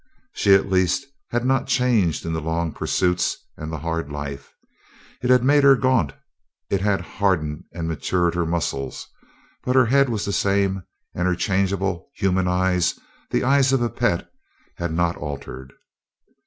She, at least, had not changed in the long pursuits and the hard life. It had made her gaunt. It had hardened and matured her muscles, but her head was the same, and her changeable, human eyes, the eyes of a pet, had not altered.